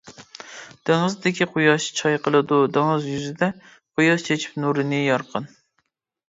دېڭىزدىكى قۇياش چايقىلىدۇ دېڭىز يۈزىدە، قۇياش چېچىپ نۇرىنى يارقىن.